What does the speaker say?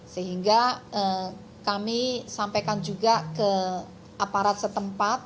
sehingga kami sampaikan juga ke aparat setempat